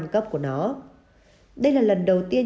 năm cấp của nó đây là lần đầu tiên